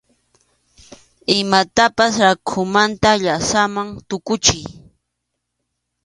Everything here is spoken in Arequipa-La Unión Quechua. Imatapas rakhumanta llapsaman tukuchiy.